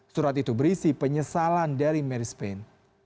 surat itu berisi penyesalan dari mary spain